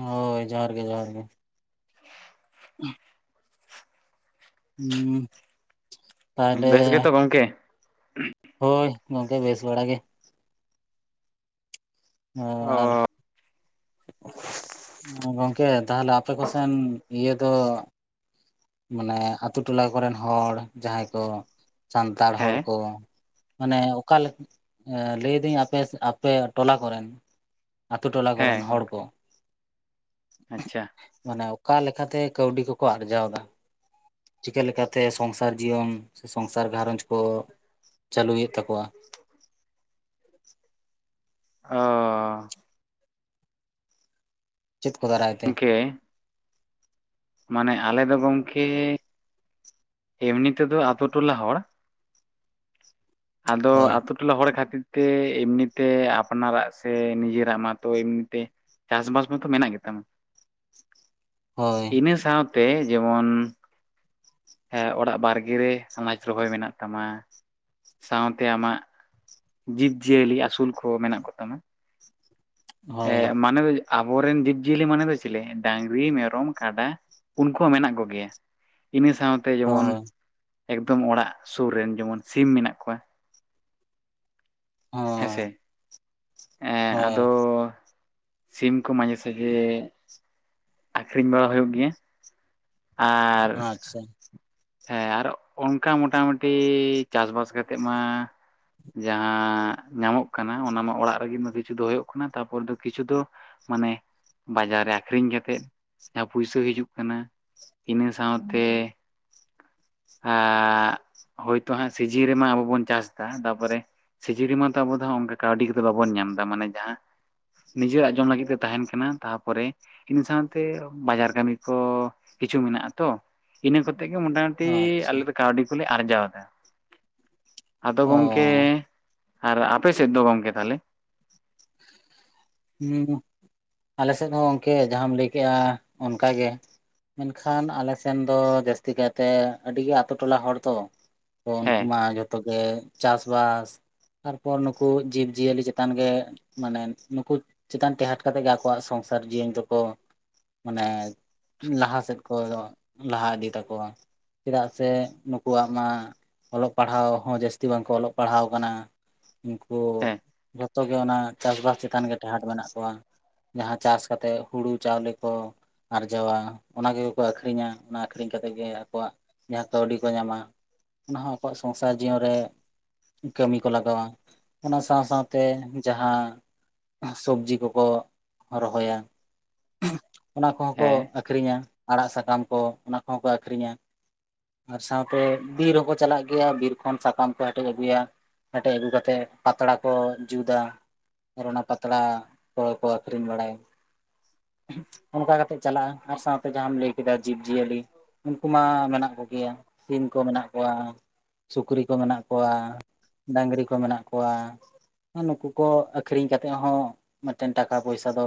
ᱦᱳᱭ ᱡᱚᱦᱟᱨ ᱜᱮ ᱡᱚᱦᱟᱨ ᱜᱮ᱾ [inaudible] ᱦᱩᱸ ᱛᱟᱦᱞᱮ ᱵᱮᱥ ᱜᱮᱛᱚ ᱜᱚᱝᱠᱮ ᱦᱳᱭ ᱜᱚᱝᱠᱮ ᱵᱮᱥ ᱵᱟᱲᱟ ᱜᱮ᱾ ᱚᱸ ᱚ ᱟᱨ ᱜᱚᱝᱠᱮ ᱛᱟᱦᱞᱮ ᱟᱯᱮ ᱠᱚᱥᱮᱱ ᱤᱭᱟᱹ ᱫᱚ ᱢᱟᱱᱮ ᱟᱛᱩ ᱴᱚᱞᱟ ᱠᱚᱨᱮᱱ ᱦᱚᱲ ᱡᱟᱦᱟᱸᱭ ᱠᱚ ᱥᱟᱱᱛᱟᱲ ᱦᱚᱲ ᱦᱮᱸ ᱠᱚ ᱢᱟᱱᱮ ᱚᱠᱟᱞᱮ ᱮ ᱞᱟᱹᱭ ᱫᱟᱹᱧ ᱟᱯᱮ ᱟᱯᱮ ᱴᱚᱞᱟ ᱠᱚᱨᱮᱱ ᱟᱹᱛᱩ ᱴᱚᱞᱟ ᱦᱮᱸ ᱠᱚᱨᱮᱱ ᱦᱚᱲ ᱜᱚᱝᱠᱮ ᱠᱚ ᱟᱪᱪᱷᱟ ᱢᱟᱱᱮ ᱚᱠᱟ ᱞᱮᱠᱟᱛᱮ ᱠᱟᱹᱣᱰᱤ ᱠᱚᱠᱚ ᱟᱨᱡᱟᱣ ᱫᱟ? ᱪᱤᱠᱟᱹ ᱞᱮᱠᱟᱛᱮ ᱥᱚᱝᱥᱟᱨ ᱡᱤᱭᱚᱱ ᱥᱮ ᱥᱚᱝᱥᱟᱨ ᱜᱷᱟᱨᱚᱸᱡᱽ ᱠᱚ ᱪᱟᱹᱞᱩᱭᱮᱫ ᱛᱟᱠᱚᱣᱟ? [inaudible] ᱚ ᱪᱮᱫ ᱠᱚ ᱫᱟᱨᱟᱭ ᱛᱮ? ᱜᱚᱝᱠᱮ ᱢᱟᱱᱮ ᱟᱞᱮ ᱫᱚ ᱜᱚᱝᱠᱮ ᱮᱢᱱᱤ ᱛᱮᱫᱚ ᱟᱹᱛᱩ ᱴᱚᱞᱟ ᱦᱚᱲ ᱟᱫᱚ ᱦᱳᱭ ᱟᱹᱛᱩ ᱴᱚᱞᱟ ᱦᱚᱲ ᱠᱷᱟᱹᱛᱤᱨ ᱛᱮ ᱮᱢᱱᱤᱛᱮ ᱟᱯᱱᱟᱨᱟᱜ ᱥᱮ ᱱᱤᱡᱮᱨᱟᱜ ᱢᱟᱛᱚ ᱮᱢᱱᱤ ᱛᱮ ᱪᱟᱥᱵᱟᱥ ᱢᱟᱛᱚ ᱢᱮᱱᱟᱜ ᱜᱮᱛᱟᱢᱟ, [inaudible] ᱦᱳᱭ ᱤᱱᱟᱹ ᱥᱟᱶᱛᱮ ᱡᱮᱢᱚᱱ ᱦᱮᱸ ᱚᱲᱟᱜ ᱵᱟᱨᱜᱮ ᱨᱮ ᱟᱱᱟᱡ ᱨᱚᱦᱚᱭ ᱢᱮᱱᱟᱜ ᱛᱟᱢᱟ ᱥᱟᱶᱛᱮ ᱟᱢᱟᱜ ᱡᱤᱵᱽ ᱡᱤᱭᱟᱹᱞᱤ ᱟᱹᱥᱩᱞ ᱠᱚ ᱢᱮᱱᱟᱜ ᱠᱚᱛᱟᱢᱟ᱾ ᱦᱳᱭ ᱮᱸᱻ ᱢᱟᱱᱚ ᱫᱚ ᱡᱮ ᱟᱵᱚᱨᱮᱱ ᱡᱤᱵᱽ ᱡᱤᱭᱟᱹᱞᱤ ᱢᱟᱱᱮ ᱫᱚ ᱪᱤᱞᱮ? ᱰᱟᱝᱨᱤ, ᱢᱮᱨᱚᱢ, ᱠᱟᱰᱟ, ᱩᱱᱠᱩ ᱦᱚᱸ ᱢᱮᱱᱟᱜ ᱠᱚ ᱜᱮᱭᱟ᱾ ᱤᱱᱟᱹ ᱥᱟᱶ ᱛᱮ ᱡᱮᱢᱚᱱ ᱦᱳᱭ ᱮᱠᱫᱚᱢ ᱚᱲᱟᱜ ᱥᱩᱨ ᱨᱮᱱ ᱡᱮᱢᱚᱱ ᱥᱤᱢ ᱢᱮᱱᱟᱜ ᱠᱚᱣᱟ᱾ ᱦᱳᱭ ᱦᱮᱸᱥᱮ ᱮᱸ ᱟᱫᱚ ᱦᱳᱭ ᱥᱤᱢ ᱠᱚ ᱢᱟᱡᱷᱮ ᱥᱟᱡᱷᱮ ᱟᱠᱷᱨᱤᱧ ᱵᱟᱲᱟ ᱦᱩᱭᱳᱜ ᱜᱮᱭᱟ᱾ ᱟᱻ ᱟᱪᱪᱷᱟ ᱦᱮᱸ ᱟᱨ ᱚᱝᱠᱟ ᱢᱚᱴᱟᱢᱩᱴᱤ ᱪᱟᱥ ᱵᱟᱥ ᱠᱟ ᱠᱟᱛᱮᱜ ᱢᱟ ᱡᱟᱦᱟᱸ ᱧᱟᱢᱚᱜ ᱠᱟᱱᱟ ᱚᱱᱟᱢᱟ ᱚᱲᱟᱜ ᱨᱮᱜᱮ ᱢᱟ ᱠᱤᱪᱷᱩ ᱫᱚ ᱦᱩᱭᱩᱜ ᱠᱟᱱᱟ ᱛᱟᱨᱯᱚᱨ ᱫᱚ ᱠᱤᱪᱷᱩ ᱫᱚ ᱢᱟᱱᱮ ᱵᱟᱡᱟᱨ ᱨᱮ ᱟᱠᱷᱨᱤᱧ ᱠᱟᱛᱮᱜ ᱡᱟᱦᱟᱸ ᱯᱩᱭᱥᱟᱹ ᱦᱤᱡᱩᱜ ᱠᱟᱱᱟ ᱤᱱᱟᱹ ᱥᱟᱶᱛᱮ ᱟᱸᱻᱜ ᱦᱳᱭᱛᱳ ᱦᱟᱸᱜ ᱥᱤᱡᱤᱱ ᱨᱮᱢᱟ ᱟᱵᱚ ᱵᱚᱱ ᱪᱟᱥ ᱫᱟ ᱛᱟᱯᱚᱨᱮ ᱥᱤᱡᱤ ᱨᱮᱢᱟ ᱢᱟ ᱛᱚ ᱟᱵᱚ ᱫᱚ ᱦᱟᱸᱜ ᱚᱱᱠᱟ ᱠᱟᱹᱣᱰᱤ ᱠᱚᱫᱚ ᱵᱟᱵᱚᱱ ᱧᱟᱢ ᱫᱟ ᱢᱟᱱᱮ ᱡᱟᱦᱟᱸ ᱱᱤᱡᱮᱨᱟᱜ ᱡᱚᱢ ᱞᱟᱹᱜᱤᱜ ᱛᱮ ᱛᱟᱦᱮᱱ ᱠᱟᱱᱟ, ᱛᱟᱯᱚᱨᱮ ᱤᱱᱟᱹ ᱥᱟᱶᱛᱮ ᱵᱟᱡᱟᱨ ᱠᱟᱹᱢᱤ ᱠᱚ ᱠᱤᱪᱷᱩ ᱢᱮᱱᱟᱜ ᱟ ᱛᱚ, ᱤᱱᱟᱹ ᱠᱚᱛᱮ, ᱤ ᱢᱳᱚᱴᱟᱢᱩᱴᱤ ᱟᱪᱪᱷᱟ ᱟᱞᱮ ᱫᱚ ᱠᱟᱹᱣᱰᱤ ᱠᱚᱞᱮ ᱟᱨᱡᱟᱣ ᱫᱟ᱾ ᱟᱫᱚ ᱚ ᱜᱚᱝᱠᱮ, ᱟᱨ ᱟᱯᱮ ᱥᱮᱜ ᱫᱚ ᱜᱚᱝᱠᱮ ᱛᱷᱟᱞᱮ? ᱦᱩᱸ ᱜᱩ ᱟᱞᱮ ᱥᱮᱫ ᱦᱚᱼᱝᱠᱮ ᱡᱟᱦᱟᱢ ᱞᱟᱹᱭ ᱠᱮᱜᱼᱟ, ᱚᱱᱠᱟ ᱜᱮ᱾ ᱢᱮᱱᱠᱷᱟᱱ ᱟᱞᱮ ᱥᱮᱱ ᱫᱚ, ᱡᱟᱹᱥᱛᱤ ᱠᱟᱭᱛᱮ ᱟᱹᱰᱤᱜᱮ ᱟᱛᱳ ᱴᱚᱞᱟ ᱦᱚᱲ ᱫᱚ! ᱠᱚ ᱩᱱᱠᱩ ᱦᱮᱸ ᱢᱟ ᱡᱷᱚᱛᱚ ᱜᱮ, ᱪᱟᱥ-ᱵᱟᱥ ᱛᱟᱨᱯᱚᱨ ᱱᱩᱠᱩ ᱡᱤᱵᱽ ᱡᱤᱭᱟᱹᱞᱤ ᱪᱮᱛᱟᱱ ᱜᱮ, ᱢᱟᱱᱮ ᱱᱩᱠᱩ ᱪᱮᱛᱟᱱ ᱴᱮᱦᱟᱴ ᱠᱟᱛᱮᱜ ᱜᱮ ᱟᱠᱚᱣᱟᱜ ᱥᱚᱝᱥᱟᱨ ᱡᱤᱭᱚᱱ ᱫᱚᱠᱚ, ᱢᱟᱱᱮ ᱞᱟᱦᱟ ᱥᱮᱫ ᱠᱚᱫᱚ ᱞᱟᱦᱟ ᱤᱫᱤ ᱛᱟᱠᱚᱣᱟ᱾ ᱪᱮᱫᱟᱜ ᱥᱮ ᱱᱩᱠᱩᱣᱟᱜ ᱢᱟ, ᱚᱞᱚᱜ ᱯᱟᱲᱦᱟᱣ ᱦᱚᱸ ᱡᱟᱹᱥ- -ᱛᱤ ᱵᱟᱝᱠᱚ ᱚᱞᱚᱜ ᱯᱟᱲᱦᱟᱣ ᱠᱟᱱᱟ, ᱩᱝᱠᱩ ᱦᱮᱸ ᱡᱷᱚᱛᱚ ᱜᱮ, ᱚᱱᱟ ᱪᱟᱥ-ᱵᱟᱥ ᱪᱮᱛᱟᱱ ᱜᱮ ᱴᱮᱦᱟᱴ ᱢᱮᱱᱟᱜ ᱠᱚᱣᱟ᱾ ᱡᱟᱦᱟᱸ ᱪᱟᱥ ᱠᱟᱛᱮᱜ, ᱦᱩᱲᱩ ᱪᱟᱣᱞᱮ ᱠᱚ ᱟᱨᱡᱟᱣᱟ, ᱚᱱᱟ ᱜᱮᱹᱣ ᱠᱚ ᱟᱹᱠᱠᱷᱨᱤᱧᱟ, ᱚᱱᱟ ᱠᱷᱨᱤᱧ ᱠᱟᱛᱮᱜ ᱜᱮ, ᱟᱠᱚᱣᱟᱜ ᱡᱟᱦᱟᱸ ᱠᱟᱹᱣᱰᱤ ᱠᱚ ᱧᱟᱢᱟ ᱚᱱᱟ ᱦᱚᱸ ᱟᱠᱚᱣᱟᱜ ᱥᱚᱝᱥᱟ ᱡᱤᱭᱚᱱ ᱨᱮ, ᱠᱟᱹᱢᱤ ᱠᱚ ᱞᱟᱜᱟᱣᱟ᱾ ᱚᱱᱟ ᱥᱟᱶ-ᱥᱟᱶᱛᱮ, ᱡᱟᱦᱟᱸ ᱮᱸᱦ ᱥᱚᱵᱽᱡᱤ ᱠᱚᱠᱚ ᱨᱚᱦᱚᱭᱟ, ᱚᱱᱟ ᱠᱚᱦᱚᱸ ᱠᱚ ᱦᱮᱸ ᱟᱠ ᱠᱷᱨᱤᱧᱟ, ᱟᱲᱟᱜ ᱥᱟᱠᱟᱢ ᱠᱚ, ᱚᱱᱟ ᱠᱚᱦᱚᱸ ᱠᱚ ᱟᱹᱠᱷᱨᱤᱧᱟ᱾ ᱟᱨ ᱥᱟᱶᱛᱮ ᱵᱤᱨ ᱚᱠᱚ ᱪᱟᱞᱟᱜ ᱜᱮᱹᱭᱟ, ᱵᱤᱨ ᱠᱷᱚᱱ ᱥᱟᱠᱟᱢ ᱠᱚ ᱦᱮᱴᱮᱡ ᱟᱹᱜᱩᱭᱟ᱾ ᱦᱮᱴᱮᱡ ᱟᱹᱜᱩ ᱠᱟᱛᱮᱜ, ᱯᱟᱛᱲᱟ ᱠᱚ ᱡᱩᱫᱟ ᱟᱨ ᱚᱱᱟ ᱯᱟ- -ᱛᱲᱟ ᱠᱚ-ᱠᱚ ᱟᱠᱷᱨᱤᱧ ᱵᱟᱲᱟᱭᱟ᱾ ᱚᱱᱠᱟ ᱠᱟᱛᱮᱜ ᱪᱟᱞᱟᱜᱼᱟ ᱟᱨ ᱥᱟᱶᱛᱮ ᱡᱟᱼᱟᱢ ᱞᱟᱹᱭ ᱠᱮᱫᱟ, ᱡᱤᱵᱽ ᱡᱤᱭᱟᱹᱞᱤ᱾ ᱩᱱᱠᱩ ᱢᱟ ᱢᱮᱱᱟᱜ ᱠᱚᱜᱮᱭᱟ, ᱥᱤᱢ ᱠᱚ ᱢᱮᱱᱟᱜ ᱠᱚᱣᱟ, ᱥᱩᱠᱨᱤ ᱠᱚ ᱢᱮᱱᱟᱜ ᱠᱚᱣᱟ, ᱰᱟᱝᱨᱤ ᱠᱚ ᱢᱮᱱᱟᱜ ᱠᱚᱣᱟ᱾ ᱟ ᱱᱩᱠᱩ ᱠᱚ ᱟᱠᱷᱨᱤᱧ ᱠᱟ- -ᱛᱮᱜ ᱦᱚᱸ ᱢᱮᱜᱴᱮᱱ ᱴᱟᱠᱟ ᱯᱚᱭᱥᱟ ᱫᱚ,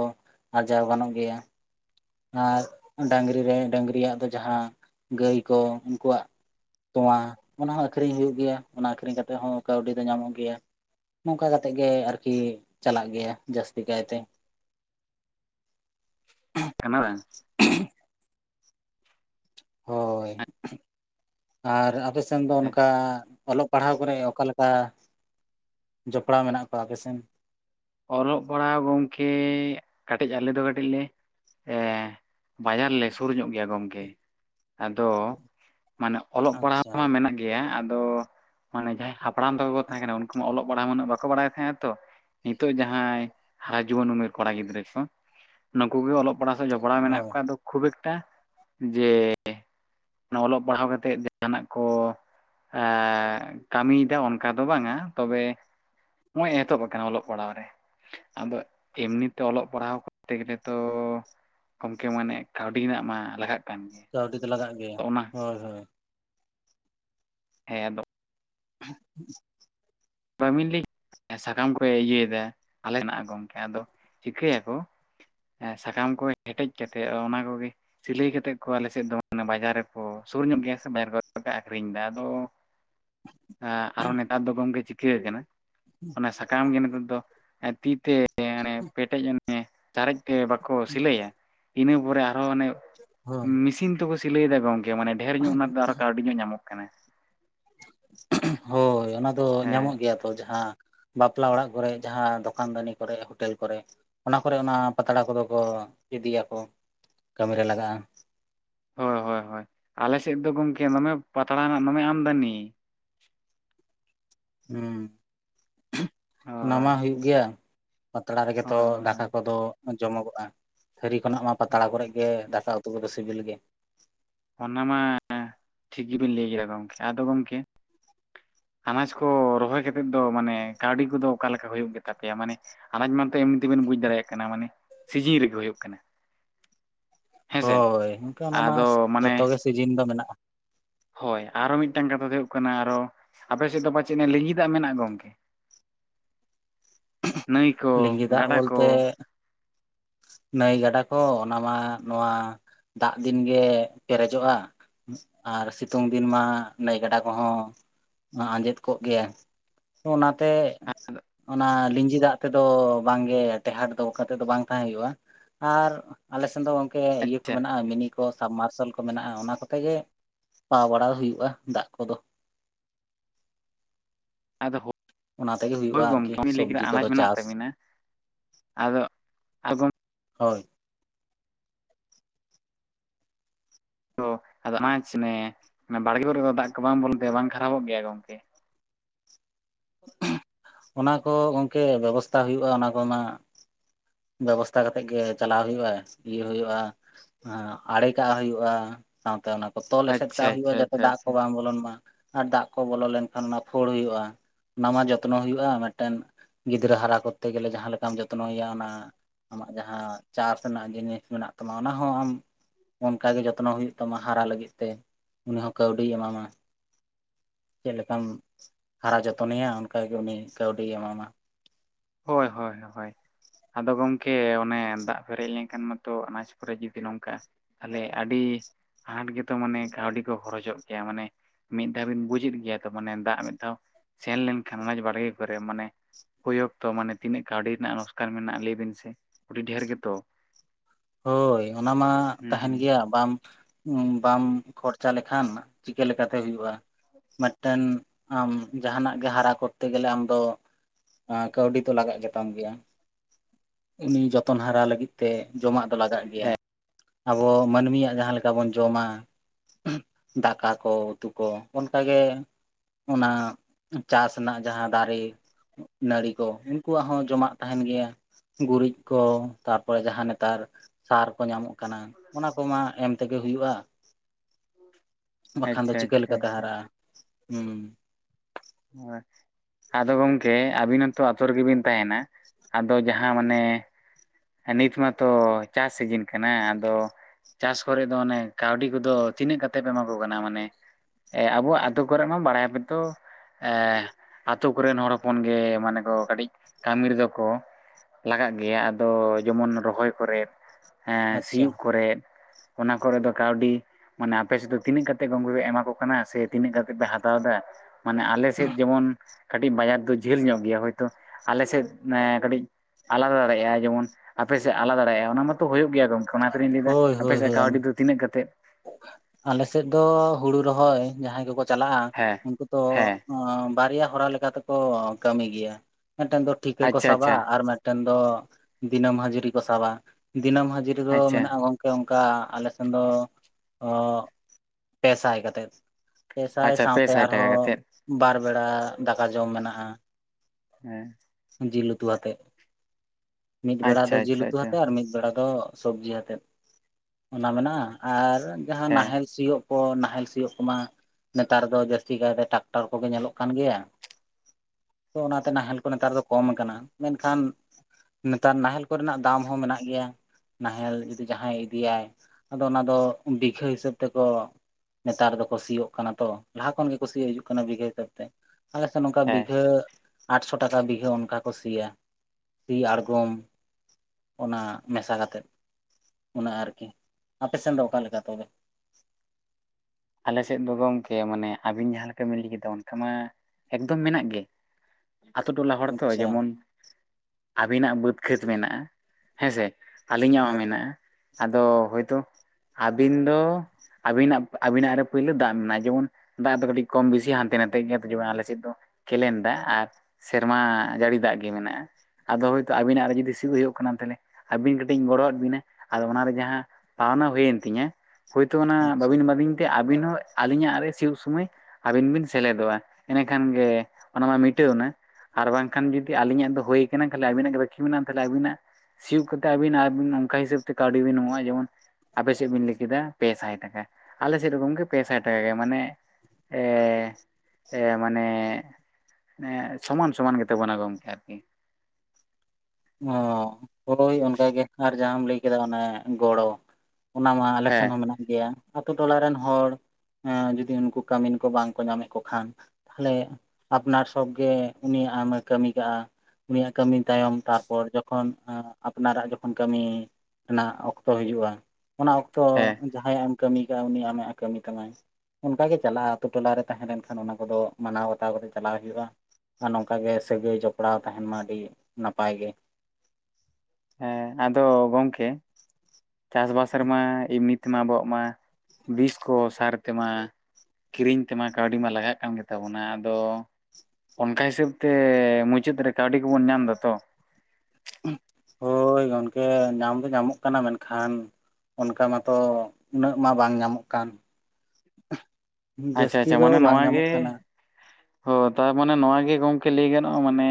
ᱟᱨᱡᱟᱣ ᱜᱟᱱᱚᱜ ᱜᱮᱭᱟ᱾ ᱟᱨ ᱰᱟᱸᱜᱽᱨᱤ ᱨᱮᱹ, ᱰᱟᱸᱜᱽᱨᱤᱭᱟᱜ ᱫᱚ ᱡᱟᱦᱟᱸ, ᱜᱟᱹᱭ ᱠᱚ, ᱩᱝᱠᱩᱣᱟᱜ ᱛᱚᱶᱟ ᱚᱱᱟ ᱦᱚᱸ ᱟᱹᱠᱷᱨᱤᱧ ᱦᱩᱭᱩᱜ ᱜᱮᱭᱟ, ᱚᱱᱟ ᱟᱠᱷᱨᱤᱧ ᱠᱟᱛᱮ ᱦᱚᱸ ᱠᱟᱹᱣᱰᱤ ᱫᱚ ᱧᱟᱢᱚᱜ ᱜᱮᱭᱟ᱾ ᱱᱚᱠᱠᱟ ᱠᱟᱛᱮᱜ ᱜᱮ, ᱟᱨᱠᱤ ᱪᱟᱞᱟᱜ ᱜᱮᱭᱟ, ᱡᱟᱹᱥᱛᱤ ᱠᱟᱭᱛᱮ᱾ ᱠᱟᱱᱟᱲᱟ᱾ ᱦᱳᱭ, ᱟᱨ ᱟᱯᱮ ᱥᱮᱱ ᱫᱚ ᱟᱪᱪᱷᱟ ᱚᱱᱠᱟ, ᱚᱞᱚᱜ ᱯᱟᱲᱦᱟᱣ ᱠᱚᱨᱮ ᱚᱠᱟ ᱞᱮᱠᱟ, ᱡᱚᱯᱲᱟᱣ ᱢᱮᱱᱟᱜ ᱠᱚᱣᱟ ᱟᱯᱮᱥᱮᱱ? ᱚᱞᱚᱜ ᱯᱟᱲᱦᱟᱣ ᱜᱚᱝᱠᱮ, ᱠᱟᱴᱤᱡ ᱟᱞᱮ ᱫᱚ, ᱠᱟᱹᱴᱤᱡ ᱞᱮ ᱮ, ᱵᱟᱡᱟᱨᱞᱮ ᱥᱩᱨ ᱧᱚᱜ ᱜᱮᱭᱟ ᱜᱚᱢᱠᱮ, ᱟᱫᱚᱻ ᱢᱟᱱᱮ ᱚᱞᱚᱜ ᱯᱟᱲᱦᱟᱣ ᱟᱪᱪᱷᱟ ᱢᱟ ᱢᱮᱱᱟᱜ ᱜᱮᱭᱟ, ᱟᱫᱚ! ᱢᱟᱱᱮ ᱡᱷᱟᱭ ᱦᱟᱯᱲᱟᱢ ᱛᱟᱠᱚ ᱠᱚ ᱛᱟᱦᱮᱸ ᱠᱟᱱᱟ, ᱩᱱᱠᱩ ᱢᱟ ᱚᱞᱚᱜ ᱯᱟᱲᱟ ᱢᱟᱱᱟᱹᱜ ᱵᱟᱠᱚ ᱵᱟᱲᱟᱭ ᱛᱷᱟᱸᱦ ᱛᱚ! ᱱᱤᱛᱳᱜ ᱡᱟᱦᱟᱸᱭ, ᱦᱟ ᱡᱩᱣᱟᱹᱱ ᱩᱢᱮᱨ ᱠᱚᱲᱟ ᱜᱤᱫᱽᱨᱟᱹ ᱠᱚᱸ, ᱱᱩᱝᱠᱩ ᱜᱮ ᱚᱞᱚᱜ ᱯᱲᱟ ᱥᱮ ᱡᱚᱯᱲᱟᱣ ᱢᱮᱱᱟᱜ ᱦᱳᱭ ᱠᱚᱣᱟᱫᱚ ᱠᱷᱩᱵ ᱮᱠᱴᱟ, ᱡᱮ ᱱᱚ ᱚᱞᱚᱜ ᱯᱟᱲᱦᱟᱣ ᱠᱟᱛᱮᱜ ᱡᱟᱦᱟᱱᱟᱜ ᱠᱚ ᱟ ᱠᱟᱢᱤᱭᱫᱟ ᱚᱱᱠᱟ ᱫᱚ ᱵᱟᱝᱟ, ᱛᱚᱵᱮ, ᱚᱸᱭ ᱮᱦᱛᱚᱵ ᱠᱟᱱᱟ ᱚᱞᱚᱜ ᱯᱟᱲᱟᱣ ᱨᱮ, ᱟᱫᱚ ᱮᱢᱱᱤ ᱛᱮ ᱚᱞᱚᱜ ᱯᱟᱲᱦᱟᱣ ᱠᱚᱛᱛᱮ ᱜᱮᱹᱞᱮᱹ ᱛᱚ ᱠᱚᱢᱠᱮ ᱢᱟᱱᱮ, ᱠᱟᱹᱣᱰᱤ ᱱᱟᱜ ᱢᱟ ᱞᱟᱜᱷᱟᱜ ᱠᱟᱱ! ᱠᱟᱹᱣᱰᱤ ᱫᱚ ᱞᱟᱜᱟᱜ ᱜᱮᱭᱟ, ᱚᱱᱟ ᱦᱳᱭ-ᱦᱳᱭ᱾ ᱦᱮᱸ ᱟᱫᱚ [inaudible] ᱵᱟᱢᱤᱱ ᱞᱟᱹᱭ [inaudible] ᱥᱟᱠᱟᱢ ᱠᱚᱭ ᱤᱭᱟᱹᱭᱮᱫᱟ, ᱟᱞᱮ ᱜᱚᱢᱠᱮ ᱟᱫᱚ, ᱪᱤᱠᱟᱹᱭᱟᱠᱚ ᱦᱮᱸ ᱥᱟᱠᱟᱢ ᱠᱚ ᱦᱮᱴᱮᱡ ᱠᱟᱛᱮᱜ ᱚᱱᱟ ᱠᱚᱜᱮ ᱥᱤᱞᱟᱹᱭ ᱠᱟᱛᱮᱫ ᱠᱚ ᱟᱞᱮ ᱥᱮᱫ ᱫᱥᱮ ᱵᱟᱡᱟᱨ ᱨᱮᱠᱚ, ᱥᱩᱨ ᱧᱚᱜ ᱜᱮᱭᱟ ᱥᱮ ᱵᱟᱡᱟᱨ ᱟᱠᱷᱨᱤᱧ ᱮᱫᱟ, ᱟᱫᱚ ᱟᱸᱜ, ᱟᱨ ᱦᱚᱸ ᱱᱮᱛᱟᱨ ᱫᱚ ᱜᱚᱝᱠᱮ ᱪᱤᱠᱟᱹ ᱠᱟᱱᱟ ᱚᱱᱟ ᱥᱟᱠᱟᱢ ᱜᱮ ᱱᱤᱛᱚᱜ ᱫᱚ, ᱛᱤ ᱛᱮ ᱚᱱᱮ ᱯᱮᱴᱮᱡ ᱢᱮ ᱛᱟᱨᱮᱡ ᱛᱮ ᱵᱟᱠᱚ ᱥᱤᱞᱟᱹ ᱭᱟ, ᱤᱱᱟᱹ ᱯᱚᱨᱮ ᱟᱨᱦᱚᱸ ᱟᱱᱮ, ᱦᱳᱭ ᱢᱤᱥ ᱡᱛᱩ [unintelligible] ᱠᱚ ᱥᱤᱞᱟᱹᱭᱮᱫᱟ ᱜᱚᱝᱠᱮ ᱢᱟᱱᱮ ᱰᱷᱮᱨ ᱧᱚᱜ ᱚᱱᱟ ᱫᱚ ᱟᱨᱚ ᱠᱟᱹᱣᱰᱤ ᱧᱚᱜ ᱧᱟᱢᱚᱜ ᱠᱟᱱᱟ ᱦᱳᱭ, ᱚᱱᱟ ᱫᱚ, ᱦᱮᱸ ᱧᱟᱢᱚᱜ ᱜᱮᱭᱟ ᱛᱚ ᱡᱟᱦᱟᱸ ᱵᱟᱯᱞᱟ ᱚᱲᱟᱜ ᱠᱚᱨᱮ ᱡᱟᱦᱟᱸ ᱫᱚᱠᱟᱱ ᱫᱟᱱᱤ ᱠᱚᱨᱮ ᱦᱳᱴᱮᱞ ᱠᱚᱨᱮ ᱚᱱᱟ ᱠᱚᱨᱮ ᱚᱱᱟ ᱯᱟᱛᱲᱟ ᱠᱚᱫᱚ ᱠᱚ ᱤᱫᱤᱭᱟ ᱠᱚ ᱠᱟᱹᱢᱤ ᱨᱮ ᱞᱟᱜᱟᱜ-ᱟ ᱦᱳᱭ ᱦᱳᱭ ᱦᱳᱭ ᱟᱞᱮ ᱥᱮᱫ ᱫᱚ ᱜᱚᱝᱠᱮ ᱫᱚᱢᱮ ᱯᱟᱛᱲᱟ ᱨᱮᱱᱟᱜ ᱫᱚᱢᱮ ᱟᱢᱫᱟᱱᱤ ᱦᱩᱸ ᱚᱱᱟ ᱦᱳᱭ ᱢᱟ ᱦᱩᱭᱩᱜ ᱜᱮᱭᱟ ᱯᱟᱛᱲᱟ ᱨᱮᱜᱮ ᱛᱚ ᱦᱳᱭ ᱦᱳᱭ ᱫᱟᱠᱟ ᱦᱳᱭ ᱠᱚᱫᱚ ᱡᱚᱢᱚᱜᱚᱜ-ᱟ ᱛᱷᱟᱹᱨᱤ ᱠᱷᱚᱱᱟᱜ ᱢᱟ ᱯᱟᱛᱲᱟ ᱠᱚᱨᱮ ᱜᱮ ᱫᱟᱠᱟ ᱩᱛᱩ ᱛᱚᱵᱮ ᱠᱚ ᱥᱤᱵᱤᱞ ᱜᱮᱭᱟ ᱚᱱᱟ ᱢᱟ ᱴᱷᱤᱠ ᱜᱮᱵᱤᱱ ᱞᱟᱹᱭ ᱠᱮᱫᱟ ᱜᱚᱝᱠᱮ ᱟᱫᱚ ᱜᱚᱝᱠᱮ ᱟᱱᱟᱡ ᱠᱚ ᱨᱚᱦᱚᱭ ᱠᱟᱛᱮᱫ ᱫᱚ ᱢᱟᱱᱮ ᱠᱟᱹᱣᱰᱤ ᱠᱚᱫᱚ ᱚᱠᱟ ᱞᱮᱠᱟ ᱦᱩᱭᱩᱜ ᱜᱮᱛᱟ ᱯᱮᱭᱟ ᱢᱟᱱᱮ ᱟᱱᱟᱡ ᱢᱟᱛᱚ ᱮᱢᱱᱤ ᱛᱮᱵᱮᱱ ᱵᱩᱡᱽ ᱫᱟᱲᱮᱭᱟᱜ ᱠᱟᱱᱟ ᱢᱟᱱᱮ ᱥᱤᱡᱤᱱ ᱨᱮᱜᱮ ᱦᱩᱭᱩᱜ ᱠᱟᱱᱟ ᱦᱮᱸᱥᱮ ᱦᱳᱭ ᱤᱱᱠᱟᱹ ᱚᱱᱟ ᱢᱟ ᱟᱫᱚ ᱢᱟᱱᱮ ᱡᱚᱛᱚ ᱜᱮ ᱥᱤᱡᱤᱱ ᱫᱚ ᱢᱮᱱᱟᱜ-ᱟ ᱦᱳᱭ ᱟᱨᱚ ᱢᱤᱫ ᱴᱟᱝ ᱠᱟᱛᱷᱟ ᱫᱚ ᱦᱩᱭᱩᱜ ᱠᱟᱱᱟ ᱟᱨᱚ ᱟᱯᱮ ᱥᱮᱫ ᱫᱚ ᱯᱟᱪᱮᱫ ᱞᱤᱸᱜᱤ ᱫᱟᱜ ᱢᱮᱱᱟᱜ-ᱟ ᱜᱚᱝᱠᱮ [inaudible] ᱱᱟᱹᱭ ᱠᱚ ᱞᱤᱸᱜᱤ ᱫᱟᱜ ᱜᱟᱰᱟ ᱠᱚ ᱵᱚᱞᱛᱮ ᱱᱟᱹᱭ ᱜᱟᱰᱟ ᱠᱚ ᱚᱱᱟ ᱢᱟ ᱱᱚᱣᱟ ᱫᱟᱜ ᱫᱤᱱ ᱜᱮ ᱯᱮᱨᱮᱡᱚᱜ-ᱟ ᱟᱨ ᱥᱤᱛᱩᱝ ᱫᱤᱱ ᱢᱟ ᱱᱟᱹᱭ ᱜᱟᱰᱟ ᱠᱚᱦᱚᱸ ᱟᱸᱡᱮᱫ ᱠᱚᱜ ᱜᱮᱭᱟ ᱛᱚ ᱚᱱᱟ ᱛᱮ ᱚᱱᱟ ᱞᱤᱸᱡᱤ ᱫᱟᱜ ᱛᱮᱫᱚ ᱵᱟᱝ ᱜᱮ ᱛᱮᱸᱦᱮᱫ ᱫᱚᱦᱚ ᱠᱟᱛᱮᱫ ᱫᱚ ᱵᱟᱝ ᱛᱟᱦᱮᱸ ᱦᱩᱭᱩᱜ-ᱟ ᱟᱨ ᱟᱞᱮ ᱥᱮᱱ ᱫᱚ ᱠᱮ ᱤᱭᱟᱹ ᱠᱚ ᱟᱪᱪᱷᱟ ᱢᱮᱱᱟᱜ-ᱟ ᱢᱤᱱᱤ ᱠᱚ ᱥᱟᱢ ᱢᱟᱨᱥᱟᱞ ᱠᱚ ᱢᱮᱱᱟᱜ-ᱟ ᱚᱱᱟ ᱠᱚ ᱛᱮ ᱜᱮ ᱯᱟᱣ ᱵᱟᱲᱟ ᱦᱩᱭᱩᱜ-ᱟ ᱫᱟᱜ ᱠᱚᱫᱚ ᱟᱫᱚ ᱚᱱᱟ ᱛᱮᱜᱮ ᱦᱩᱭᱩᱜᱼᱟ [inaudible] ᱟᱨᱠᱤ ᱜᱚᱝᱠᱮ ᱵᱤᱱ ᱞᱟᱹᱭ ᱠᱮᱫᱟ ᱥᱚᱵᱽᱡᱤ ᱟᱱᱟᱡ ᱠᱚᱫᱚ ᱢᱮᱱᱟᱜ ᱪᱟᱥ ᱛᱟᱵᱤᱱᱟ ᱟᱫᱚ [inaudible] ᱦᱳᱭ ᱛᱚ ᱟᱫᱚ ᱟᱪᱱᱟᱡ ᱱᱮ ᱵᱟᱲᱜᱮ ᱠᱚᱨᱮ ᱫᱚ ᱫᱟᱜ ᱠᱚ ᱵᱟᱝ ᱵᱚᱞᱚᱱ ᱛᱮ ᱵᱟᱝ ᱠᱷᱟᱨᱟᱯᱚᱜ ᱜᱮᱭᱟ ᱜᱚᱝᱠᱮ ᱚᱱᱟ ᱠᱚ ᱜᱚᱝᱠᱮ ᱵᱮᱵᱚᱥᱛᱟ ᱦᱩᱭᱩᱜ-ᱟ ᱚᱱᱟ ᱠᱚᱢᱟ ᱵᱮᱵᱚᱥᱛᱟ ᱠᱟᱛᱮᱜ ᱜᱮ ᱪᱟᱞᱟᱣ ᱦᱩᱭᱩᱜ-ᱟ ᱤᱭᱟᱹ ᱦᱩᱭᱩᱜ-ᱟ ᱟᱲᱮ ᱠᱟᱜ ᱦᱩᱭᱩᱜ-ᱟ ᱥᱟᱶᱛᱮ ᱚᱱᱟ ᱠᱚ ᱛᱚᱞ ᱮᱥᱮᱫ ᱟᱪᱪᱷᱟ ᱠᱟᱜ ᱟᱪᱪᱷᱟ ᱦᱩᱭᱩᱜ-ᱟ ᱡᱟᱛᱮ ᱟᱪᱪᱷᱟ ᱫᱟᱜ ᱠᱚ ᱟᱪᱪᱷᱟ ᱵᱟᱝ ᱵᱚᱞᱚᱱ ᱢᱟ ᱟᱨ ᱫᱟᱜ ᱠᱚ ᱵᱚᱞᱚ ᱞᱮᱱᱠᱷᱟᱱ ᱢᱟ ᱯᱷᱳᱲ ᱦᱩᱭᱩᱜ-ᱟ ᱚᱱᱟ ᱢᱟ ᱡᱚᱛᱱᱚ ᱦᱩᱭᱩᱜ-ᱟ ᱢᱤᱫᱴᱮᱱ ᱜᱤᱫᱽᱨᱟᱹ ᱦᱟᱨᱟ ᱠᱚᱨᱛᱮ ᱜᱮᱞᱮ ᱡᱟᱦᱟᱸ ᱞᱮᱠᱟᱢ ᱡᱚᱛᱱᱚᱭᱮᱭᱟ ᱚᱱᱟ ᱟᱢᱟᱜ ᱡᱟᱦᱟᱸ ᱪᱟᱥ ᱨᱮᱱᱟᱜ ᱡᱤᱱᱤᱥ ᱢᱮᱱᱟᱜ ᱛᱟᱢᱟ ᱚᱱᱟ ᱦᱚᱸ ᱟᱢ ᱚᱱᱠᱟ ᱜᱮ ᱡᱚᱛᱱᱚ ᱦᱩᱭᱩᱜ ᱛᱟᱢᱟ ᱦᱟᱨᱟ ᱞᱟᱹᱜᱤᱫ ᱛᱮ ᱩᱱᱤ ᱦᱚᱸ ᱠᱟᱹᱣᱰᱤᱭ ᱮᱢᱟᱢᱟ ᱪᱮᱞᱮᱠᱟᱢ ᱦᱟᱨᱟ ᱡᱚᱛᱚᱱᱮᱭᱟ ᱚᱱᱠᱟ ᱜᱮ ᱩᱱᱤ ᱠᱟᱹᱣᱰᱤᱭ ᱮᱢᱟᱢᱟ ᱦᱳᱭ ᱦᱳᱭ ᱦᱳᱭ ᱟᱫᱚ ᱜᱚᱝᱠᱮ ᱚᱱᱮ ᱫᱟᱜ ᱯᱮᱨᱮᱡ ᱞᱮᱱᱠᱷᱟᱱ ᱢᱟᱛᱚ ᱟᱱᱟᱡ ᱠᱚᱨᱮ ᱡᱩᱫᱤ ᱱᱚᱝᱠᱟ-ᱟ ᱛᱟᱦᱚᱞᱮ ᱟᱹᱰᱤ ᱟᱴ ᱜᱮᱛᱚ ᱢᱟᱱᱮ ᱠᱟᱹᱣᱰᱤ ᱠᱚ ᱠᱷᱚᱨᱚᱪᱚᱜ ᱜᱮᱭᱟ ᱢᱟᱱᱮ ᱢᱤᱫ ᱫᱷᱟᱣ ᱵᱤᱱ ᱵᱩᱡᱮᱫ ᱜᱮᱭᱟ ᱛᱚ ᱢᱟᱱᱮ ᱫᱟᱜ ᱢᱤᱫ ᱫᱷᱟᱣ ᱥᱮᱱ ᱞᱮᱱᱠᱷᱟᱱ ᱟᱱᱟᱡᱽ ᱵᱟᱲᱜᱮ ᱠᱚᱨᱮ ᱢᱟᱱᱮ ᱦᱩᱭᱩᱜ ᱛᱚ ᱢᱟᱱᱮ ᱛᱤᱱᱟᱹᱜ ᱠᱟᱹᱣᱰᱤ ᱨᱮᱱᱟᱜ ᱱᱚᱥᱠᱟᱱ ᱢᱮᱱᱟᱜ-ᱟ ᱞᱟᱹᱭ ᱵᱤᱱ ᱥᱮ ᱟᱹᱰᱤ ᱰᱷᱮᱨ ᱜᱮᱛᱚ ᱦᱳᱭ ᱚᱱᱟ ᱢᱟ ᱦᱩᱸ ᱛᱟᱦᱮᱱ ᱜᱮᱭᱟ ᱵᱟᱢ ᱵᱟᱢ ᱠᱷᱚᱨᱪᱟ ᱞᱮᱠᱷᱟᱱ ᱪᱤᱠᱟᱹ ᱞᱮᱠᱟᱛᱮ ᱦᱩᱭᱩᱜ-ᱟ ᱢᱮᱫᱴᱮᱱ ᱟᱢ ᱡᱟᱦᱟᱱᱟᱜ ᱜᱮ ᱦᱟᱨᱟ ᱠᱚᱨᱛᱮ ᱜᱮᱞᱮ ᱟᱢᱫᱚ ᱟ ᱠᱟᱹᱣᱰᱤ ᱫᱚ ᱞᱟᱜᱟᱜ ᱜᱮᱛᱟᱢ ᱜᱮᱭᱟ ᱩᱱᱤ ᱡᱚᱛᱚᱱ ᱦᱟᱨᱟ ᱞᱟᱹᱜᱤᱫ ᱛᱮ ᱡᱚᱢᱟᱜ ᱫᱚ ᱞᱟᱜᱟᱜ ᱜᱮᱭᱟ ᱦᱩᱸ ᱟᱵᱚ ᱢᱟᱹᱱᱢᱤᱭᱟᱜ ᱡᱟᱦᱟᱸ ᱞᱮᱠᱟ ᱵᱚᱱ ᱡᱚᱢᱟ ᱫᱟᱠᱟ ᱠᱚ ᱩᱛᱩ ᱠᱚ ᱚᱱᱠᱟ ᱜᱮ ᱚᱱᱟ ᱪᱟᱥ ᱨᱮᱱᱟᱜ ᱡᱟᱦᱟᱸ ᱫᱟᱨᱮ ᱱᱟᱹᱲᱤ ᱠᱚ ᱩᱱᱠᱩᱣᱟᱜ ᱦᱚᱸ ᱡᱚᱢᱟᱜ ᱛᱟᱦᱮᱱ ᱜᱮᱭᱟ ᱜᱩᱨᱤᱡ ᱠᱚ ᱛᱟᱨᱯᱚᱨᱮ ᱡᱟᱦᱟᱱ ᱱᱮᱛᱟᱨ ᱥᱟᱨ ᱠᱚ ᱧᱟᱢᱚᱜ ᱠᱟᱱᱟ ᱚᱱᱟ ᱠᱚᱢᱟ ᱮᱢ ᱛᱮᱜᱮ ᱦᱩᱭᱩᱜ-ᱟ ᱵᱟᱠᱷᱟᱱ ᱫᱚ ᱟᱪᱪᱷᱟ ᱪᱤᱠᱟᱹ ᱟᱪᱪᱷᱟ ᱞᱮᱠᱟ ᱛᱮ ᱟᱪᱪᱷᱟ ᱦᱟᱨᱟᱜ-ᱟ ᱦᱩᱸ ᱦᱳᱭ ᱟᱫᱚ ᱜᱚᱝᱠᱮ ᱟᱵᱤᱱ ᱦᱚᱸᱛᱚ ᱟᱛᱳ ᱨᱮᱜᱮ ᱵᱤᱱ ᱛᱟᱦᱮᱱᱟ ᱟᱫᱚ ᱡᱟᱦᱟᱸ ᱢᱟᱱᱮ ᱱᱤᱛ ᱢᱟᱛᱚ ᱪᱟᱥ ᱥᱤᱡᱤᱱ ᱠᱟᱱᱟ ᱟᱫᱚ ᱪᱟᱥ ᱠᱚᱨᱮ ᱫᱚ ᱚᱱᱮ ᱠᱟᱹᱣᱰᱤ ᱠᱚᱫᱚ ᱛᱤᱱᱟᱹᱜ ᱠᱟᱛᱮ ᱯᱮ ᱮᱢᱟ ᱠᱚ ᱠᱟᱱᱟ? ᱢᱟᱱᱮ ᱮ ᱟᱵᱚ ᱟᱛᱳ ᱠᱚᱨᱮ ᱢᱟ ᱵᱟᱲᱟᱭᱟᱯᱮ ᱛᱚ ᱮᱻ ᱟᱛᱳ ᱠᱚᱨᱮᱱ ᱦᱚᱲ ᱦᱚᱯᱚᱱ ᱜᱮ ᱢᱟᱱᱮ ᱠᱚ ᱠᱟᱹᱴᱤᱡ ᱠᱟᱹᱢᱤ ᱨᱮᱫᱚ ᱠᱚ ᱞᱟᱜᱟᱜ ᱜᱮᱭᱟ ᱟᱫᱚ ᱡᱮᱢᱚᱱ ᱨᱚᱦᱚᱭ ᱠᱚᱨᱮᱜ ᱮᱸ ᱟᱪᱪᱷᱟ ᱥᱤᱭᱩᱜ ᱠᱚᱨᱮᱜ ᱾ ᱚᱱᱟ ᱠᱚᱨᱮ ᱫᱚ ᱠᱟᱹᱣᱰᱤ ᱢᱟᱱᱮ ᱟᱯᱮ ᱥᱮᱫ ᱫᱚ ᱛᱤᱱᱟᱹᱜ ᱠᱟᱛᱮᱫ [unintelligible] ᱯᱮ ᱮᱢᱟ ᱠᱚ ᱠᱟᱱᱟ? ᱥᱮ ᱛᱤᱱᱟᱹᱜ ᱠᱟᱛᱮᱫ ᱯᱮ ᱦᱟᱛᱟᱣ ᱫᱟ? ᱢᱟᱱᱮ ᱟᱞᱮ ᱥᱮᱫ ᱡᱮᱢᱚᱱ ᱠᱟᱹᱴᱤᱡ ᱵᱟᱡᱟᱨ ᱫᱚ ᱡᱷᱟᱹᱞ ᱧᱚᱜ ᱜᱮᱭᱟ ᱦᱳᱭᱛᱳ ᱟᱞᱮᱥᱮᱫ ᱮᱸ ᱠᱟᱹᱴᱤᱡ ᱟᱞᱟᱫᱟ ᱫᱟᱲᱮᱭᱟᱜᱼᱟᱭ ᱡᱮᱢᱚᱱ ᱟᱯᱮ ᱥᱮᱫ ᱟᱞᱟᱫᱟ ᱫᱟᱲᱮᱭᱟᱜᱼᱟ ᱚᱱᱟ ᱢᱟᱛᱚ ᱦᱳᱭᱳᱜ ᱜᱮᱭᱟ ᱜᱚᱢᱠᱮ ᱚᱱᱟᱛᱮᱞᱤᱧ ᱞᱟᱹᱭᱫᱟ ᱦᱳᱭ ᱟᱯᱮ ᱦᱳᱭ ᱥᱮᱫ ᱦᱳᱭ ᱠᱟᱹᱣᱰᱤ ᱫᱚ ᱛᱤᱱᱟᱹᱜ ᱠᱟᱛᱮᱫ? ᱟᱞᱮ ᱥᱮᱫ ᱫᱚ ᱦᱩᱲᱩ ᱨᱚᱦᱚᱭ ᱡᱟᱦᱟᱸᱭ ᱠᱚᱠᱚ ᱪᱟᱞᱟᱜᱼᱟ ᱦᱮᱸ ᱩᱱᱠᱩ ᱫᱚ ᱦᱮᱸ ᱚᱸ ᱵᱟᱨᱭᱟ ᱦᱚᱨᱟ ᱞᱮᱠᱟᱛᱮᱠᱚ ᱠᱟᱹᱢᱤ ᱜᱮᱭᱟ ᱢᱮᱫᱴᱮᱱ ᱫᱚ ᱴᱷᱤᱠᱟᱹ ᱠᱚ ᱟᱪᱪᱷᱟ ᱥᱟᱵᱟ ᱟᱪᱪᱷᱟ ᱟᱨ ᱢᱮᱫ ᱴᱮᱱ ᱫᱚ ᱫᱤᱱᱟᱹᱢ ᱦᱟᱹᱡᱨᱤ ᱠᱚ ᱥᱟᱵᱟ ᱫᱤᱱᱟᱹᱢ ᱦᱟᱹᱡᱨᱤ ᱫᱚ ᱟᱪᱪᱷᱟ ᱢᱮᱱᱟᱜᱼᱟ ᱜᱚᱝ ᱜᱚᱝᱠᱮ ᱚᱱᱠᱟ ᱟᱞᱮ ᱥᱮᱱ ᱫᱚ ᱚ ᱯᱮᱥᱟᱭ ᱠᱟᱛᱮᱫ ᱯᱮᱥᱟᱭ ᱟᱪᱪᱷᱟ ᱯᱮ ᱥᱟᱶᱛᱮ ᱥᱟᱭ ᱴᱟᱠᱟ ᱟᱨᱦᱚᱸ ᱠᱟᱛᱮᱫ ᱵᱟᱨ ᱵᱮᱲᱟ ᱫᱟᱠᱟ ᱡᱚᱢ ᱢᱮᱱᱟᱜᱼᱟ ᱾ ᱦᱮᱸ ᱾ ᱡᱤᱞ ᱩᱛᱩ ᱟᱛᱮᱫ ᱢᱤᱫ ᱵᱮᱲᱟ ᱟᱪᱪᱷᱟ ᱫᱚ ᱡᱤᱞ ᱟᱪᱪᱷᱟ ᱩᱛᱩ ᱟᱪᱪᱷᱟ ᱟᱛᱮᱫ ᱟᱨ ᱢᱤᱫ ᱵᱮᱲᱟ ᱫᱚ ᱥᱚᱵᱡᱤ ᱟᱛᱮᱫ ᱚᱱᱟ ᱢᱮᱱᱟᱜᱼᱟ ᱟᱨ ᱡᱟᱦᱟᱸ ᱦᱮᱸ ᱱᱟᱦᱮᱞ ᱥᱤᱭᱳᱜ ᱠᱚ ᱱᱟᱦᱮᱞ ᱥᱤᱭᱳᱜ ᱠᱚᱢᱟ ᱱᱮᱛᱟᱨ ᱫᱚ ᱡᱟᱹᱥᱛᱤ ᱠᱟᱭᱛᱮ ᱴᱟᱠᱴᱟᱨ ᱠᱚᱜᱮ ᱧᱮᱞᱚᱜ ᱠᱟᱱ ᱜᱮᱭᱟ ᱛᱚ ᱚᱱᱟᱛᱮ ᱱᱟᱦᱮᱞ ᱠᱚ ᱱᱮᱛᱟᱨ ᱫᱚ ᱠᱚᱢ ᱠᱟᱱᱟ, ᱢᱮᱱᱠᱷᱟᱱ ᱱᱮᱛᱟᱨ ᱱᱟᱦᱮᱞ ᱠᱚᱨᱮᱱᱟᱜ ᱫᱟᱢ ᱦᱚᱸ ᱢᱮᱱᱟᱜ ᱜᱮᱭᱟ ᱾ ᱱᱟᱦᱮᱞ ᱡᱩᱫᱤ ᱡᱟᱦᱟᱸᱭ ᱤᱫᱤᱭᱟᱭ ᱟᱫᱚ ᱚᱱᱟ ᱫᱚ ᱵᱤᱜᱷᱟᱹ ᱦᱤᱥᱟᱹᱵ ᱛᱮᱠᱚ ᱱᱮᱛᱟᱨ ᱫᱚ ᱠᱚ ᱥᱤᱭᱳᱜ ᱠᱟᱱᱟ ᱛᱚ ᱞᱟᱦᱟ ᱠᱷᱚᱱ ᱜᱮᱠᱚ ᱥᱤᱭᱳᱜ ᱦᱤᱡᱩᱜ ᱠᱟᱱᱟ ᱵᱤᱜᱷᱟᱹ ᱦᱤᱥᱟᱹᱵ ᱛᱮ ᱾ ᱟᱞᱮ ᱥᱮᱜ ᱱᱚᱝᱠᱟ ᱦᱮᱸ ᱵᱤᱜᱷᱟᱹ ᱟᱴᱥᱚ ᱴᱟᱠᱟ ᱵᱤᱜᱷᱟᱹ ᱚᱱᱠᱟ ᱠᱚ ᱥᱤᱭᱟ ᱥᱤ ᱟᱲᱜᱚᱢ ᱚᱱᱟ ᱢᱮᱥᱟ ᱠᱟᱛᱮᱫ ᱚᱱᱟ ᱟᱨᱠᱤ ᱟᱯᱮᱥᱮᱱ ᱫᱚ ᱚᱠᱟᱞᱮᱠᱟ ᱛᱚᱵᱮ? ᱟᱞᱮ ᱥᱮᱫ ᱫᱚ ᱜᱚᱢᱠᱮ ᱢᱟᱱᱮ ᱟᱹᱵᱤᱱ ᱡᱟᱦᱟᱸ ᱞᱮᱠᱟ ᱵᱤᱱ ᱞᱟᱹᱭ ᱠᱮᱫᱟ ᱚᱱᱠᱟ ᱢᱟ ᱮᱠᱫᱚᱢ ᱢᱮᱱᱟᱜ ᱜᱮ ᱟᱛᱳ ᱴᱚᱞᱟ ᱦᱚᱲ ᱛᱚ ᱟᱪᱪᱷᱟ ᱡᱮᱢᱚᱱ ᱟᱹᱵᱤᱱᱟᱜ ᱵᱟᱹᱫᱽ ᱠᱷᱮᱛ ᱢᱮᱱᱟᱜᱼᱟ ᱦᱮᱸᱥᱮ ᱟᱹᱞᱤᱧᱟᱜ ᱦᱚᱸ ᱦᱳᱭ ᱢᱮᱱᱟᱜᱼᱟ ᱟᱫᱚ ᱦᱳᱭᱛᱚ ᱟᱹᱵᱤᱱ ᱫᱚ ᱟᱹᱵᱤᱱᱟᱜ ᱟᱹᱵᱤᱱᱟᱜ ᱨᱮ ᱯᱳᱭᱞᱳ ᱫᱟᱜ ᱢᱮᱱᱟᱜᱼᱟ ᱡᱮᱢᱚᱱ ᱫᱟᱜ ᱫᱚ ᱠᱟᱹᱴᱤᱡ ᱠᱚᱢ ᱵᱤᱥᱤ ᱦᱟᱱᱛᱮ ᱱᱟᱛᱮ ᱜᱮᱭᱟ ᱡᱮᱢᱚᱱ ᱟᱞᱮᱥᱮᱫ ᱫᱚ ᱠᱮᱞᱮᱱ ᱫᱟᱜ ᱟᱨ ᱥᱮᱨᱢᱟ ᱡᱟᱹᱲᱤ ᱫᱟᱜ ᱜᱮ ᱢᱮᱱᱟᱜᱼᱟ ᱾ ᱟᱫᱚ ᱦᱳᱭᱛᱳ ᱟᱵᱤᱱᱟᱜ ᱨᱮ ᱡᱩᱫᱤ ᱥᱤ ᱦᱳᱭᱳᱜ ᱠᱟᱱᱟ ᱛᱟᱦᱞᱮ ᱟᱹᱵᱤᱱ ᱠᱟᱹᱴᱤᱡ ᱤᱧ ᱜᱚᱲᱚᱣᱟᱫ ᱵᱤᱱᱟᱹ, ᱟᱫᱚ ᱚᱱᱟᱨᱮ ᱡᱟᱦᱟᱸ ᱯᱟᱣᱱᱟ ᱦᱩᱭᱮᱱ ᱛᱤᱧᱟᱹ ᱦᱳᱭᱛᱳ ᱚᱱᱟ ᱟᱪᱪᱷᱟ ᱵᱟᱹᱵᱤᱱ ᱮᱢᱟᱫᱤᱧ ᱛᱮ, ᱟᱹᱵᱤᱱ ᱦᱚᱸ ᱟᱹᱞᱤᱧᱟᱜ ᱨᱮ ᱥᱤᱭᱩᱜ ᱥᱚᱢᱚᱭ ᱟᱹᱵᱤᱱ ᱵᱤᱱ ᱥᱮᱞᱮᱫᱚᱜᱼᱟ, ᱮᱱᱮ ᱠᱷᱟᱱ ᱜᱮ ᱚᱱᱟ ᱢᱟ ᱢᱤᱴᱟᱹᱣᱮᱱᱟ ᱾ ᱟᱨ ᱵᱟᱝᱠᱷᱟᱱ ᱡᱩᱫᱤ ᱟᱹᱞᱤᱧᱟᱜ ᱫᱚ ᱦᱳᱭ ᱠᱟᱱᱟ, ᱠᱷᱟᱹᱞᱤ ᱟᱹᱵᱤᱱᱟᱜ ᱜᱮ ᱵᱟᱹᱠᱤ ᱢᱮᱱᱟᱜᱼᱟ ᱛᱟᱦᱞᱮ ᱟᱹᱵᱤᱱᱟᱜ ᱥᱤᱭᱩᱜ ᱠᱟᱛᱮ ᱟᱹᱵᱤᱱ ᱱᱚᱝᱠᱟ ᱦᱤᱥᱟᱹᱵᱽ ᱛᱮ ᱠᱟᱹᱣᱰᱤ ᱵᱤᱱ ᱮᱢᱚᱜᱼᱟ ᱡᱮᱢᱚᱱ ᱟᱯᱮ ᱥᱮᱫ ᱵᱤᱱ ᱞᱟᱹᱭ ᱠᱮᱫᱟ ᱯᱮ ᱥᱟᱭ ᱴᱟᱠᱟ᱾ ᱟᱞᱮ ᱥᱮᱫ ᱦᱚᱸ ᱜᱚᱢᱠᱮ ᱯᱮ ᱥᱟᱭ ᱴᱟᱠᱟ ᱜᱮ, ᱢᱟᱱᱮ ᱮ ᱮ ᱢᱟᱱᱮ ᱮᱸ ᱥᱚᱢᱟᱱ ᱥᱚᱢᱟᱱ ᱜᱮ ᱛᱟᱵᱚᱱᱟ ᱜᱚᱝᱠᱮ ᱟᱨᱠᱤ ᱾ ᱚ ᱦᱳᱭ ᱚᱱᱠᱟ ᱜᱮ ᱟᱨ ᱡᱟᱦᱟᱸᱢ ᱞᱟᱹᱭ ᱠᱮᱫᱟ ᱚᱱᱮ ᱜᱚᱲᱚ ᱚᱱᱟ ᱢᱟ ᱟᱞᱮ ᱥᱮᱱ ᱦᱮᱸ ᱦᱚᱸ ᱢᱮᱱᱟᱜ᱾ ᱜᱮᱭᱟ ᱟᱛᱳ ᱴᱚᱞᱟ ᱨᱮᱱ ᱦᱚᱲ ᱮᱸ ᱡᱩᱫᱤ ᱩᱱᱠᱩ ᱠᱟᱹᱢᱤᱱ ᱠᱚ ᱵᱟᱝ ᱠᱚ ᱧᱟᱢᱮᱫ ᱠᱚ ᱠᱷᱟᱱ ᱛᱟᱦᱞᱮ ᱟᱯᱱᱟᱨ ᱥᱚᱵ ᱜᱮ ᱩᱱᱤᱭᱟᱜ ᱮᱢ ᱠᱟᱹᱢᱤ ᱠᱟᱜᱼᱟ, ᱩᱱᱤᱭᱟᱜ ᱠᱟᱹᱢᱤ ᱛᱟᱭᱚᱢ ᱛᱟᱨ ᱯᱚᱨ ᱡᱚᱠᱷᱚᱱ ᱟᱯᱱᱟᱨᱟᱜ ᱡᱚᱠᱷᱚᱱ ᱠᱟᱹᱢᱤ ᱨᱮᱱᱟᱜ ᱚᱠᱛᱚ ᱦᱤᱡᱩᱜᱼᱟ᱾ ᱚᱱᱟ ᱚᱠᱛᱚ ᱦᱮᱸ ᱡᱟᱦᱟᱸᱭᱟᱜ ᱮᱢ ᱠᱟᱹᱢᱤ ᱠᱟᱜᱼᱟ, ᱩᱱᱤ ᱟᱢᱟᱜ ᱮ ᱠᱟᱹᱢᱤ ᱛᱟᱢᱟᱭ ᱾ ᱚᱱᱠᱟ ᱜᱮ ᱪᱟᱞᱟᱜᱼᱟ ᱟᱛᱳ ᱴᱚᱞᱟᱨᱮ ᱛᱟᱦᱮᱸ ᱞᱮᱱᱠᱷᱟᱱ ᱚᱱᱟ ᱠᱚᱫᱚ ᱢᱟᱱᱟᱣ ᱵᱟᱛᱟᱣ ᱠᱟᱛᱮᱫ ᱪᱟᱞᱟᱣ ᱦᱳᱭᱳᱜᱼᱟ ᱾ ᱟᱨ ᱱᱚᱝᱠᱟ ᱜᱮ ᱥᱟᱹᱜᱟᱹᱭ ᱡᱚᱯᱚᱲᱟᱣ ᱛᱟᱦᱮᱸᱱ ᱢᱟ ᱟᱹᱰᱤ ᱱᱟᱯᱟᱭ ᱜᱮ ᱾ ᱦᱮᱸ ᱟᱫᱚ ᱜᱚᱝᱠᱮᱼᱼ ᱪᱟᱥᱵᱟᱥ ᱨᱮᱢᱟ ᱮᱢᱱᱤ ᱛᱮᱢᱟ ᱟᱵᱚᱣᱟᱜ ᱢᱟ ᱵᱤᱥ ᱠᱚ ᱥᱟᱨ ᱛᱮᱢᱟ ᱼᱼ ᱠᱤᱨᱤᱧ ᱛᱮᱢᱟ ᱠᱟᱹᱣᱰᱤ ᱢᱟ ᱞᱟᱜᱟᱜ ᱠᱟᱱ ᱜᱮ ᱛᱟᱵᱚᱱᱟ, ᱟᱫᱚ ᱚᱱᱠᱟ ᱦᱤᱥᱟᱹᱵᱽ ᱛᱮ ᱢᱩᱪᱟᱹᱫ ᱨᱮ ᱠᱟᱹᱣᱰᱤ ᱠᱚᱵᱚᱱ ᱧᱟᱢ ᱮᱫᱟ ᱛᱚ? ᱦᱚᱭ ᱜᱚᱢᱠᱮ ᱧᱟᱢ ᱫᱚ ᱧᱟᱢᱚᱜ ᱠᱟᱱᱟ, ᱢᱮᱱᱠᱷᱟᱱ ᱚᱱᱠᱟ ᱢᱟᱛᱚ ᱩᱱᱟᱹᱜ ᱢᱟ ᱵᱟᱝ ᱧᱟᱢᱚᱜ ᱠᱟᱱ᱾ ᱟᱪᱪᱷᱟ ᱡᱟᱹᱥᱛᱤ ᱟᱪᱪᱷᱟ ᱫᱚ ᱢᱟᱱᱮ ᱵᱟᱝ ᱱᱚᱣᱟ ᱧᱟᱢᱚᱜ ᱜᱮ ᱠᱟᱱᱟ ᱦᱚ ᱛᱟ ᱢᱟᱱᱮ ᱱᱚᱣᱟ ᱜᱮ ᱜᱚᱝᱠᱮ ᱞᱟᱹᱭ ᱜᱟᱱᱚᱜᱼᱟ ᱢᱟᱱᱮ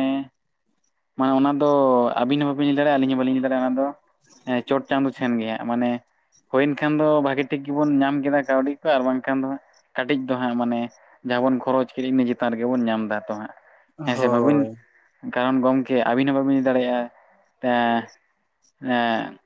ᱢᱟᱱᱮ ᱚᱱᱟ ᱫᱚ ᱟᱹᱵᱤᱱ ᱦᱚᱸ ᱵᱟᱹᱵᱤᱱ ᱞᱟᱹᱭ ᱫᱟᱲᱮᱭᱟᱜᱼᱟ, ᱟᱹᱞᱤᱧ ᱦᱚᱸ ᱵᱟᱹᱞᱤᱧ ᱞᱟᱹᱭ ᱫᱟᱲᱮᱭᱟᱜᱼᱟ ᱚᱱᱟ ᱫᱚ ᱮᱸ ᱪᱚᱴ ᱪᱟᱸᱫᱚ ᱴᱷᱮᱱ ᱜᱮᱭᱟ ᱢᱟᱱᱮ ᱦᱳᱭᱮᱱ ᱠᱷᱟᱱ ᱫᱚ ᱵᱷᱟᱹᱜᱤ ᱴᱷᱤᱠ ᱜᱮᱵᱚᱱ ᱧᱟᱢ ᱠᱮᱫᱟ ᱠᱟᱹᱣᱰᱤ ᱠᱚ ᱟᱨ ᱵᱟᱝᱠᱷᱟᱱ ᱫᱚ ᱠᱟᱹᱴᱤᱡ ᱫᱚ ᱦᱟᱸᱜ ᱢᱟᱱᱮ ᱡᱟᱦᱟᱸ ᱵᱚᱱ ᱠᱷᱚᱨᱚᱪ ᱠᱮᱫ, ᱤᱱᱟᱹ ᱪᱮᱛᱟᱱ ᱨᱮᱜᱮ ᱵᱚᱱ ᱧᱟᱢ ᱫᱟ ᱛᱚ ᱦᱟᱸᱜ᱾ ᱦᱮᱸ ᱥᱮ ᱵᱟᱹᱵᱤᱱ ᱦᱳᱭ ᱠᱟᱨᱚᱱ ᱜᱚᱝᱠᱮ ᱠᱮ ᱟᱹᱵᱤᱱ ᱦᱚᱸ ᱵᱟᱹᱵᱤᱱ ᱞᱟᱹᱭ ᱫᱟᱲᱮᱭᱟᱜᱼᱟ ᱮᱸ ᱮᱸ